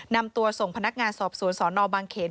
นำตัวส่งพนักงานสอบสวนสนบางเขน